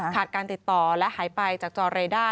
การติดต่อและหายไปจากจอเรด้า